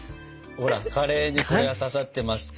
ほらカレーにこれは刺さってますか？